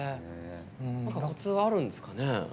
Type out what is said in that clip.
コツあるんですかね。